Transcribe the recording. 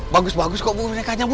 bagus bagus kok bonekanya bu